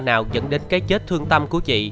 nào dẫn đến cái chết thương tâm của chị